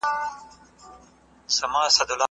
ټولنه کولای سي پرمختګ وکړي.